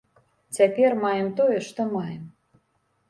Цяпер маем тое, што маем.